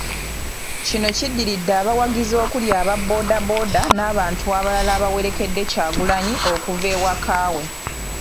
Kino kiddiridde abawagizi okuli aba boodabooda n'abantu abalala bawerekedde Kyagulanyi okuva ewaka we.